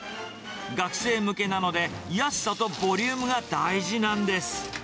学生向けなので、安さとボリュームが大事なんです。